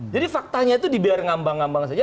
jadi faktanya itu dibiar ngambang ngambang saja